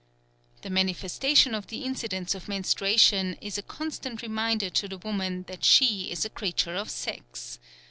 The manifestation of the incidents of menstruation is a constant reminder to the woman that she is a creature of sex.